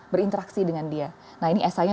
berinteraksi dengan dia nah ini essay nya